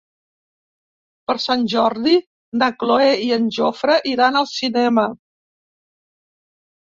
Per Sant Jordi na Cloè i en Jofre iran al cinema.